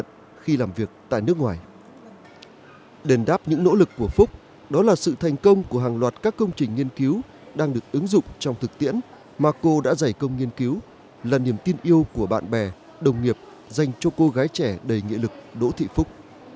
đền đáp những nỗ lực của phúc đó là sự thành công của hàng loạt các công trình nghiên cứu đang được ứng dụng trong thực tiễn mà cô đã giải công nghiên cứu là niềm tin yêu của bạn bè đồng nghiệp dành cho cô gái trẻ đầy nghị lực đỗ thị phúc